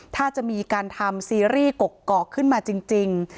ถ้าจะมีการทำซีรีส์กกอกขึ้นมาจริง